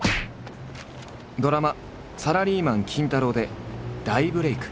ドラマ「サラリーマン金太郎」で大ブレーク。